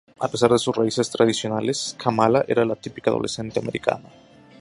A pesar de sus raíces tradicionales, Kamala era la típica adolescente americana.